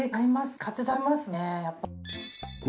買って食べますねやっぱり。